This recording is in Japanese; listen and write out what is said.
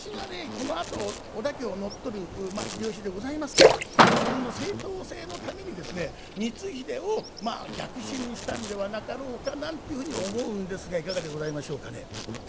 このあと織田家を乗っ取る秀吉でございますから自分の正当性のためにですね光秀を逆臣にしたんではなかろうかなんていうふうに思うんですがいかがでございましょうかね。